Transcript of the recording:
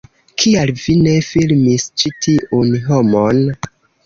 Kial vi ne filmis ĉi tiun homon?